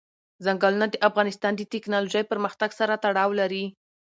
ځنګلونه د افغانستان د تکنالوژۍ پرمختګ سره تړاو لري.